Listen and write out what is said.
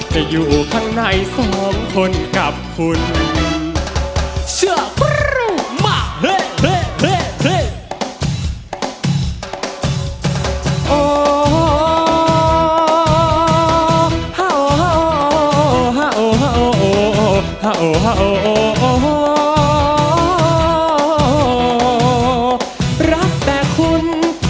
จะอยู่ข้างในสองคนกับคุณ